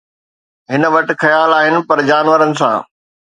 هن وٽ خيال آهن پر جانورن سان